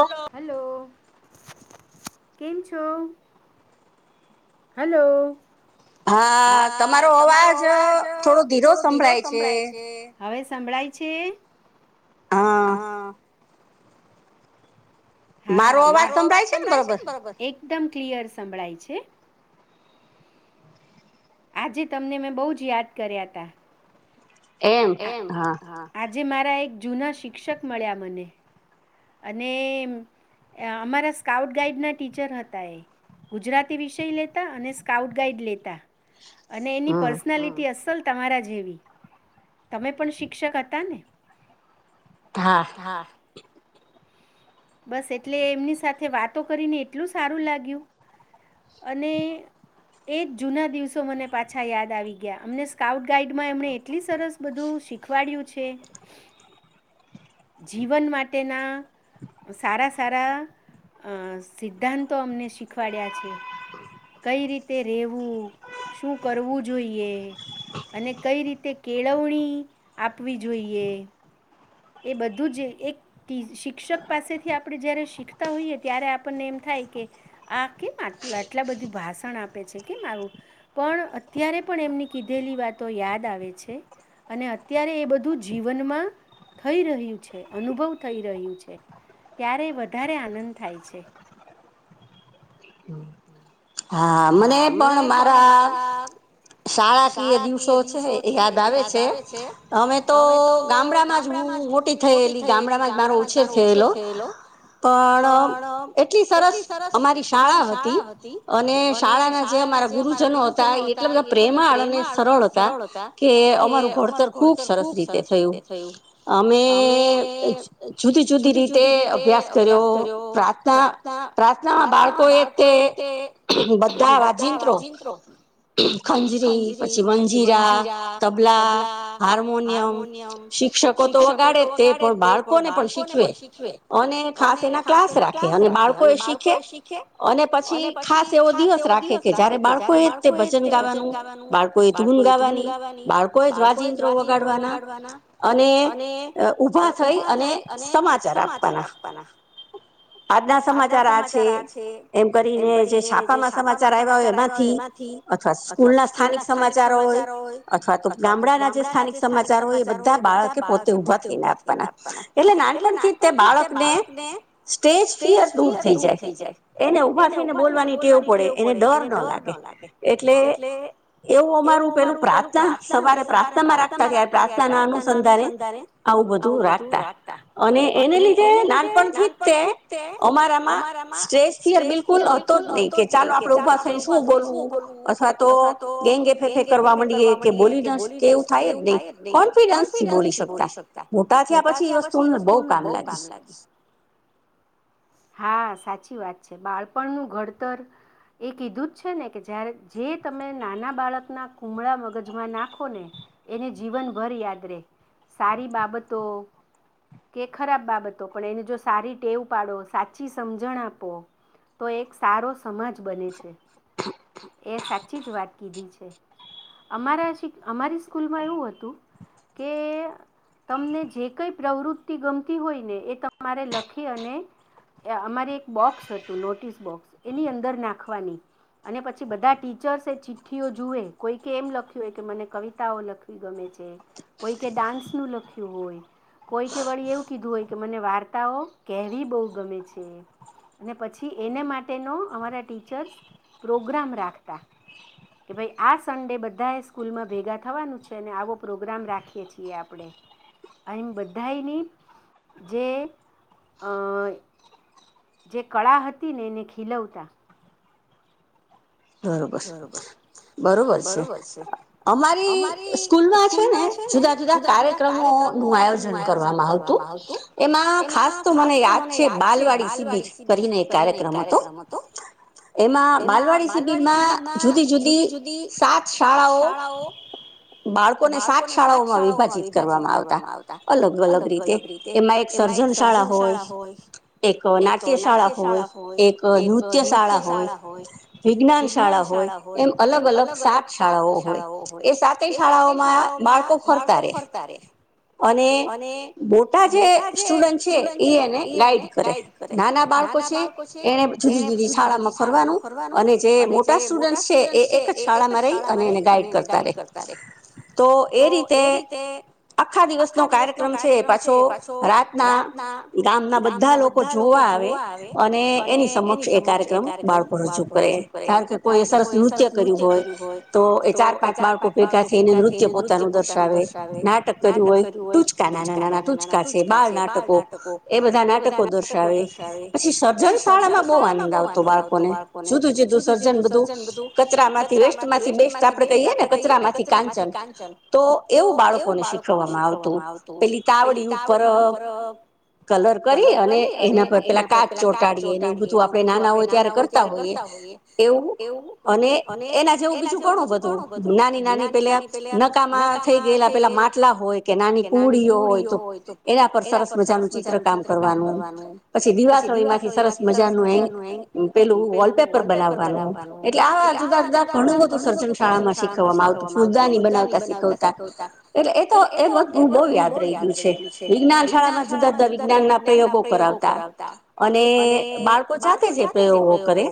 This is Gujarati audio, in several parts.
Hello, hello. કેમ છો? હલો. હા તમારો અવાજ અહ થોડો ધીરો સંભળાય છે. હવે સંંભળાય છે? હા. મારો અવાજ સંભળાય છે, ને બરોબર. કદમ ક્લિયર સંભળાય છે. આજે તમને મેં બહુ જ યાદ કર્યા તા. એમ હા, આજ જે મારા એક જૂના શિક્ષક મળ્યા મને અને અહ અમારા સ્કાઉટ ગાઈડના ટીચર હતા એ, ગુજરાતી વિષય લેતા અને સ્કાઉટ ગાઈડ લેતા. અને એની પર્સનાલિટી અસલ તમારા જેવી, તમે પણ શિક્ષક હતા ને? હા. બસ એટલે એમની સાથે વાતો કરીને એટલું સારું લાગ્યું, અને એજ જૂના દિવસો મને પાછા યાદ આવી ગયા. અમને સ્કાઉટ ગાઈડમાં એમણે એટલી સરસ બધું શીખવાડ્યું છે. જીવન માટેના સારા-સારા અહ સિદ્ધાંતો અમને શીખવાડ્યા છે, કઈ રીતે રહેવું, શું કરવું જોઈએ અને કઈ રીતે કેળવણી આપવી જોઈએ. એ બધું જ એક ટી શિક્ષક પાસેથી આપણે જ્યારે શીખતા હોઈએ ત્યારે આપણને એમ થાય કે આ કેમ આ આટલા બધું ભાષણ આપે છે, કેમ આવું, પણ અત્યારે પણ એમની કીધેલી વાતો યાદ આવે છે, અને અત્યારે એ બધું જીવનમાં થઈ રહ્યું છે, અનુભવ થઈ રહ્યું છે. ત્યારે વધારે આનંદ થાય છે. હા મને પણ મારા શાળાકીય દિવસો છે એ યાદ આવે છે. અમે તો ગામડામાં જ હું મોટી થયેલી ગામડામાં જ મારો ઉછેર થયેલો, પણ એટલી સરસ અમારી શાળા હતી. અને શાળાના જે અમારા ગુરુજનો હતા એટલા બધા પ્રે એટલા બધા પ્રેમાળ અને સરળ હતા કે અમારું ઘડતર ખુબ સરસ રીતે થયું, અમે જુદી-જુદી રીતે અભ્યાસ કર્યો, પ્રાર્થનારપ્રાર્થનામાં બાળકોએ તે બધા વાજીંત્રો ખંજરી પછી મંજીરા, તબલા, હાર્મોનિયમ, શિક્ષકો તો વગાડે જ તે પણ બાળકોને પણ શીખવે અને ખાસ એના ક્લાસ રાખે અને, બાળકો એ શીખે અને પછી ખાસ એવો દિવસ રાખે કે જયારે બાળકો એ તે ભજન ા બાળકો એ ધૂન ગાવાની બાળકો એ જ્વાજ ઇત્રો વગાડવાના અને ઉભા થઈ અને સમાચાર આપવાના, આજના સમાચાર આ છે એમ કરીને જે છાપામાં સમાચાર આવ્યા, હોય એમાંથી અથવા સ્કૂલ ના સ્થાનિક સમાચારો હોય અથવા તો ગામડાના જે સ્થાનિક સમાચાર હોય, એ બધા બાળકે પોતે ઉભા થઈને આપવાના એટલે નાનપણથી તે બાળકને સ્ટેજ ફિયર દૂર થઈ જાય એને ઉભા થઈને બોલવાની ટેવું પડે એને ડર ન લાગે એટલે એવું અમારું પેલું પ્રાર્થના સવારે પ્રાર્થનામાં રાખતા ત્યારે પ્રાર્થના ના અનુસંધાને, આવું બધું રાખતા અને એને લીધે નાનપણથી જ તે અમારામાં સ્ટસ ફિયર બિલકુલ તો જ નહી કે ચાલો, આપે ઉભા થઈ શું બોલવું અથવા તો ગેેગે ફેફે કરવા માંડીએ કે બોલી કે, એવું થાય જ નહી કોફિડસ થી, બોલી શકતા મોટા થયા પછી વસ્તુને બઉ કામ લાગી હા સાચી વાત છે બાળપણનું ઘડતર એ કીધું જ છે ને કે જયારે જે તમે નાના બાળકના કુમળા મગજમાં નાખો ને એને જીવનભર યાદ રે સારી બાબતો કે ખરાબ બાબતો પણ એને જો સારી ટેવ પાડો સાચી સમજણ આપો તો એક સારો સમાજ બને છે. [inaudible] એ સાચી જ વાત કીધી છે અમારા શ અમારી સ્કૂલમાં એવું હતું કે તમને જે કંઈ પ્રવૃત્તિ ગમતી હોય ને એ તમારે લખી અને અમારે એક બોક્સ હતું નોટિસ બોક્સ એની અંદર નાખવાની અને પછી પછી બધા ટીચર્સ એ ચિઠ્ઠીઓ જુએ કોઈ કે એમ લખ્યું હોય કે મને કવિતાઓ લખવી ગમે છે કોઈ કે ડાન્સનું લખ્યું હોય કોઈ કે વળી એવું કીધું હોય કે મને વાર્તાઓ કહેવી બહુ ગમે છે અને પછી એને માટેનો અમારા ટીચર્સ પ્રોગ્રામ કે ભાઈ આ સન્ડે બધાએ સ્કૂલમાં ભેગા થવાનું છે અને આવો પ્રોગ્રામ રાખીએ છીએ આપણે એમ બધાની જે કળા હતી ને એને ખીલવતા બરોબર બરોબર છે અમારી સ્કૂલમાં છે ને જુદા જુદા કાર્યક્રમો નું આયોજન કરવામાં આવતું એમાં ખાસ તો મને યાદ છે બાલવાડી શિબિર કરીને એક કાર્યક્રમ હતો એમાં બાલવાડી શિબિર માં જુદી જુદી સાત શાળાઓ બાળકોને સાત શાળાઓમાં વિભાજીત કરવામાં આવતા અલગ અલગ રીતે એમાં એક સર્જન શાળા હોય એક નાટ્ય શાળા હોય એક નૃત્ય શાળા હોય વિજ્ઞાન શાળા હોય એમ અલગ અલગ સાત શાળાઓ હોય એ સાતે શાળાઓમાં બાળકો ફરતા રે અને મોટા જે સ્ટુડન્ટ છે એ એને ગાઈડ કરે નાના બાળકો છે એને જુદી જુદી શાળામાં ફરવાનું અને જે મોટા સ્ટુડન્ટ છે એ એક જ શાળામાં રહી અને એને ગાઈડ કરતા રે તો એ રીતે આખા દિવસ નો કાર્યક્રમ છે એ પાછો રાતના ગામના બધા લોકો જોવા આવે અને એની સમક્ષ એ કાર્યક્રમ બાળકો રજૂ કારણ કે કોઈ સરસ નૃત્ય કર્યું હોય તો એ ચાર પાંચ બાળકો ભેગા થઈને નૃત્ય પોતાનું દર્શાવે નાટક કર્યું હોય ટૂચકા નાના નાના ટૂચકા છે બાળ નાટકો એ બધા નાટકો દર્શાવે પછી સર્જન શાળામાં બહુ આનંદ આવતો બાળકોને જુદું જુદું સર્જન બધું કચરામાંથી વેસ્ટ માંથી બેસ્ટ આપડે કહીએ ને કચરામાંથી કાંચન તો એવું બાળકો ને શીખવામાં આવે આવ પેલી તાવડી ઉપર કલર કરી અને એના પર પેલા કાચ ચોંટાડીએને એવ બધું આપડણે નાના હોય ત્યારે કરતા હોઈએ એવું અને એના જેવું બીજું ઘણું બધું નાની નાની પેલા નકામાં થઈ ગયેલા પેલા માટલા હોય કે નાની કુડીઓ હોય તો એના પર સરસ મજાનું ચિત્ર કામ કરવાનું પછી દીવાસળીમાંથી સરસ મજાનું પેલું પેપર બનાવવાનું એટલે આવા જુદા જુદા ઘણું બધુ સર્જન શાળા માં શીખવામાં આવતું ફૂલદાની બનાવતા શીખવતા એટલે એ તો એ બ હ બહુ યાદ રહી ગયું છે વિજ્ઞા શાળામાં જુદા જુદા વિજ્ઞાન ના પ્રયોગો કરાવતા અને બાળકો સાથે જે પ્રયોગો કરે.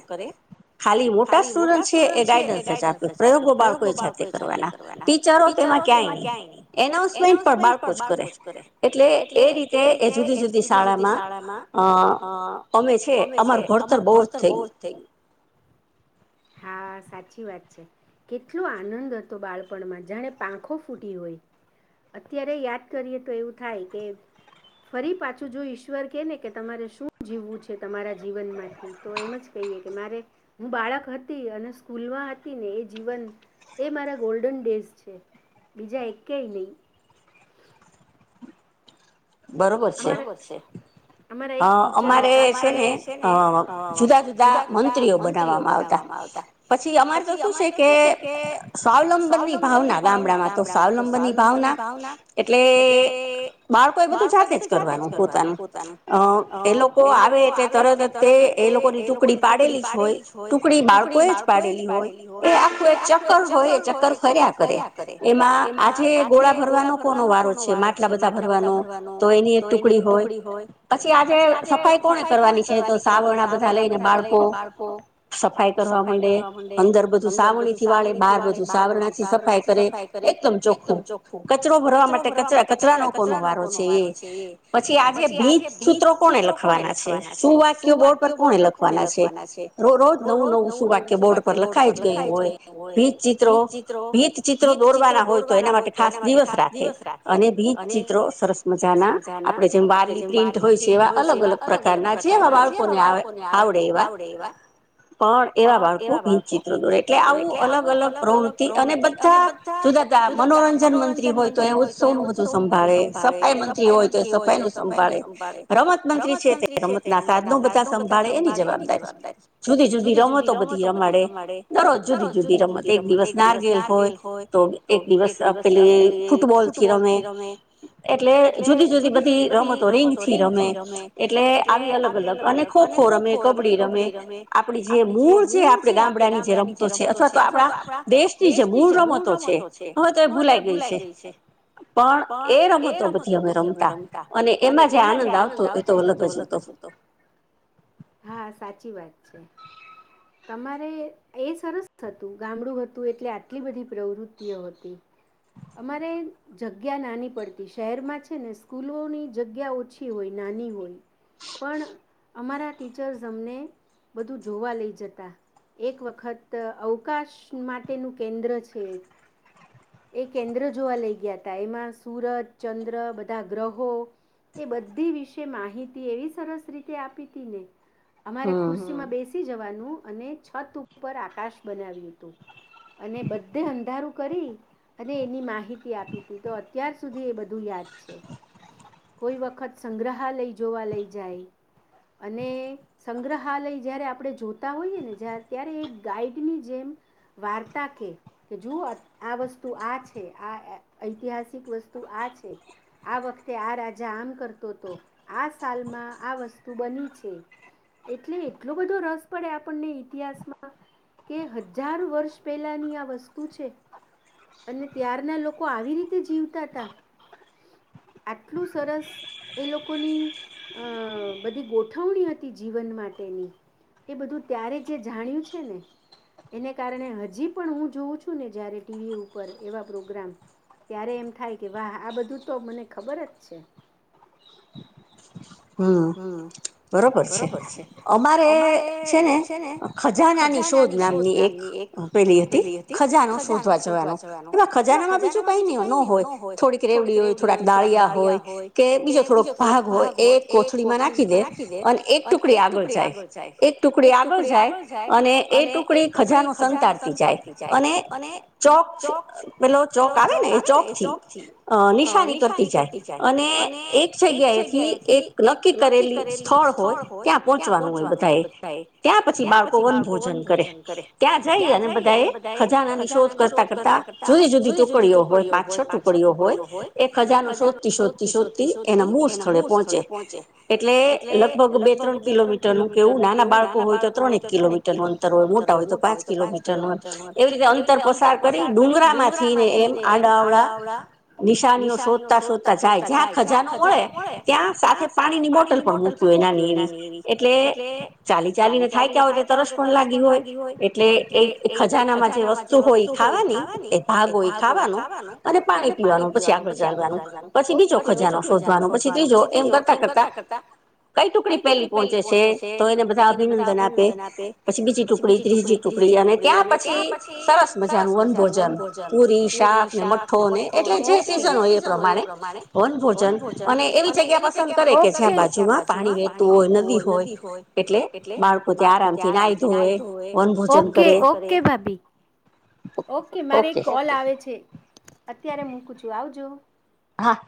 ખાલી મોટા સ્ટુડ છે એ ગાઈડસ જ આપ પ્રયોગો બાળકો સાથે કરવાના ટીચરો તેમાં ક્યાંય નહી એનાઉન્સમેન્ટ પણ બાળકો જ કરે એટલે એ રીતે એ જુદી જુદી શાળામાં અ અમે છે અમાર ઘડતર બહુ જ થયું. હા સાચી વાત છે કેટલો આનંદ હતો બાળપણમાં જાણે પાંખો ફૂટી હોય અત્યારે યાદ કરીએ તો એવું થાય કે ફરી પાછું જો ઈશ્વર કે ને કે તમારે શું જીવવું છે તમારા જીવનમાંથી તો એમ જ કહીએ કે મારે હું બાળક હતી તી અને સ્કૂલમાં હતી ને એ જીવન એ મારા ગોલ્ડન ડેઝ છે બીજા એક્યાય નહી. બરોબર છે ને જુદા જુદા મંત્રીઓ બનાવામાં આવતા પછી અમારે તો શું છે કે સ્વાવલંબનની ભાવના ગામડામાં તો સ્વાવલંબન ની ભાવના એટલે બાળ સાથેજ કરવાનું પોતાનું અ એ લોકો આવે એટલે તરત તે એ લોકોની ટુકડી પાડેલી જ હોય ટુકડી બાળકો જ પાડેલી હોય એ આખું એક ચક્કર હોય એ ચક્કર ફર્યા કરે એમાં આજે ગોળા ભરવાનો કોનો વારો છે માટલા બધા ભરવાનો. તો એની એક ટુકડી હોય પછી આજે સફાઈ કોને કરવાની છે. તો સાવરણા બધા લઈને બાળકો સફાઈ કરવા માંડે અંદર બધું સાવણીથી વાળે બાર બધું સાવરણાથી સફાઈ કરે એકદમ ચોખ્ખો કચરો ભરવા માટે કચરા કચરાનો કોનો વારો છે એ પછી આજે ભીજ સૂત્રો કોને લખવાના છે સુ વાક્ય બોર્ડ પર કોને લખવાના છે રો રોજ નવું નવું સુું વાક્ય બોર્ડ પર લખાઈ ગયું હોય ભીજ ચિત્રો ભીત ચિત્રો દોરવાના હોય તો એના માટે ખાસ દિવસ રાખે અને ભીજ ચિત્રો સરસ મ આપે જેમ વાર્લી પ્રિન્ટ હોય છે એવા અલગ અલગ પ્રકારના જે એવા બાળકોને આવડે એવા પણ એવા બાળકો ભચિત્ર દોરે એટલે આવું અલગ અલગ પ્રવૃત્તિ અને બધા જુદા જુદા મનોરંજન મંત્રી હોય તો એ ઉત્સવ નું બધું સંભાળે સ સફાઈ મંત્રી હોય તો સફાઈ નું સંભાળે રમત મંત્રી છે તે રમત ના સાધનો બધા સંભાળે એની જવાબદારી જુદી જુદી રમતો બધી રમાડે દરરોજ જુદી જુદી રમત એક દિવસ નારગેલ હોય તો એક દિવસ પેલી ફૂટબોલ થી રમે. એટલે જુદી જુદી બધી રમતો રીંગ થી રમે એટલે આવી અલગ અલગ અને ખોખો રમે કબ્ડી રમે આપડી જે મૂળ છે આપણે ગામડાની જે રમતો છે અથવા તો આપણા દેશની જે મૂળ રમતો છે હવે તો એ ભૂલાઈ ગઈ છે પણ એ રમત રમત અમે બધી રમતા ને એમાં જે આનંદ આવતો એતો અલગ જ હતો. સા વાત છે. તમારે એ સરસ હતું ગામડું હતું એટલે આટલી બધી પ્રવૃતિઓ હતી અમારે જગ્યા નાની પડ. શહેરમાં છે ને સ્કૂલોની જગ્યા ઓછી હોય નાની હોય પણ અમારા ટીચર્સ અમને બધું જોવા લઈ જતા એક વખત અવકાશ માટેનું કેન્દ્ર છે એક એ કેન્દ્ર જોવા લઈ ગયા હતા એમાં સુરત ચંદ્ર બધા ગ્રહો એ બધી વિશે માહિતી એવી સરસ રીતે આપી હતી ને અમારે ખુરશી માં બેસી જવાનું. અને છત ઉપર આકાશ બનાવ્યું હતું. અને બધે અંધારું કરી અને એની માહિતી આપી તો અત્યાર સુધી એ ધું યાદ છે કોઈ વખત સંગ્રહાલય જોવા લઈ જાય અને સંગ્રહાલય જયારે આપણે જોતા હોઈએ ને ત્યારે એક ગાઈડની જેમ વાર્તા કે જ આ વસ્તુ આ છે આ ઐતિહાસિક વસ્તુ આ છે. આ વખતે આ રાજા આમ કરતો હતો આ સાલમાં આ વસ્તુ બની છે એટલે એટલો બધો રસ પડે આપણને ઈતિહાસમાં કે હજાર વર્ષ પહેલાની આ વસ્તુ છે અને ત્યારના લોકો આવી રીતે જીવતા હતા. આટલું સરસ એ લોકોની અ બધી ગોઠવણી હતી જીવન માટેની એ બધું ત્યારે જે જાણ્યું છે ને એને કારણે હજી પણ હું જોઉં છું ને જયારે ટીવી ઉપર એવા પ્રોગ્રામ ત્યારે એમ થાય કે વાહ આ બધું તો મને ખબર જ છે. હમ બરોબર છે અમારે છે ને ખજાનાની શોધ નામની એક પેલી હતી ખજાનો શોધવા જવાનો એ ખજાનામાં બીજું કઈ ન ન હોય થોડીક કેવડી હોય થોડાક દાળીિયા હોય કે બીજો થોડોક ભાગ હોય. એ કોથળીમાં નાખી દે અને એક ટુકડી આગળ જાય એક ટુકડી આગળ જાય અને એ ટુકડી ખજાનો સંતારથી જાય અને ચોક પેલો ચોક આવે ને એ ચોક થી અ નિશાની કરતી જાય અને એક જગ્યાએથી એક નક્કી કરેલી સ્થળ હોય ત્યાં પહોંચવાનું હોય બધા એ ત્યાં પછી બાળકો વન ભોજન કરે ત્યાં જઈ અને બધા એ ખજાના ની શોધ કરતા કરતાં જુદી જુદી ટુકડીઓ હોય પાંચ છ ટુકડીઓ. હોય એ ખજાનો સોધતી સોધતી સોધતી એના મૂળ સ્થળે પહોચ. સ્થળે પહોંચે એટલે લગભગ બે ત્રણ કિલોમીટર નું કેવું નાના બાળકો હોય તો ત્રણેક કિલોમીટર નું અંતર હોય મોટા હોય તો પાંચ કિલોમીટર નું હોય એવી રીતે અંતર પસાર કરી ડુંગરામાં થઈને એમ આડા આવડા. નિશાનીઓ શોધતા શોધતા જાય જ્યાં ખજાનું વળે ત્યાં સાથે પાણી ની બોટલ પણ મૂકી હોય નાની એવી, એટલે ચાલી ચાલીને થાય ત્યા હોય તો તરસ પણ લાગી હોય, એટલે એ ખજાનામાં જે વસ્તુ હોય એ ખાવાની, એ ભાગ હોય ખાવાનું અને પાણી પીવાનું, પછી આગળ ચાલવાનું, પછી બીજો ખજાનો શોધવાનો, પછી ત્રીજો એમ કરતા કરતા કઈ ટુકડી પેલી પહોંચે છે, તો એને બધા અભિનંદન આપે, પછી બીજી ટુકડી, ત્રીજી ટુકડી અને ત્યાં પછી સરસ મજા ન વન ભોજન પુરી, શાક, ને મઠ્ઠો ને એટલે જે સિઝન હોય એ પ્રમાણે વન ભોજન અને એવી ઓકે ઓકે ભાભી, મારે એક કોલ આવે છે. અત્યારે મું કું છું આવજો. હા.